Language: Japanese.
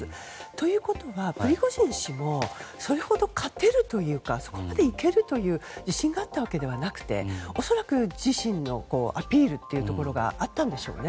ということは、プリゴジン氏もそれほど勝てるというかそこまで行けるという自信があったわけじゃなくて恐らく自身のアピールというところがあったんでしょうね。